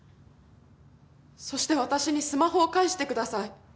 そして私にスマホを返してください。